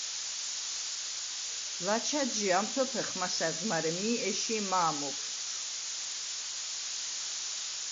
ლაჩა̈დჟი ამთოფეხ მასა̈რდ, მარე მი ეში̄ მა̄მ ოფშუ̂.